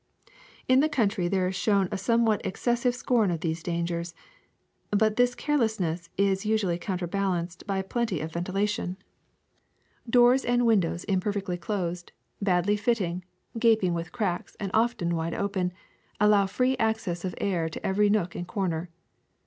In the country there is shown a somewhat exces sive scorn of these dangers, but this carelessness is usually counterbalanced by plenty of ventilation. IMPURE AIR 311 Doors and windows imperfectly closed, badly fitting, gaping with cracks, and often wide open, allow free access of fresh air to every nook and comer.